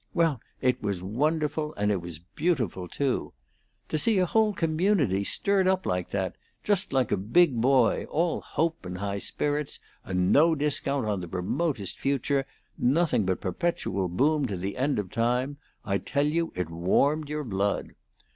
Well, it was wonderful, and it was beautiful, too! To see a whole community stirred up like that was just like a big boy, all hope and high spirits, and no discount on the remotest future; nothing but perpetual boom to the end of time I tell you it warmed your blood.